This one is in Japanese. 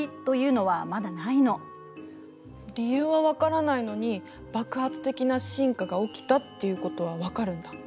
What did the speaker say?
理由は分からないのに爆発的な進化が起きたっていうことは分かるんだ？